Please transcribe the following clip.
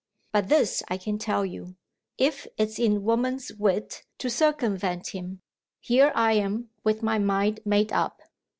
But this I can tell you, if it's in woman's wit to circumvent him, here I am with my mind made up.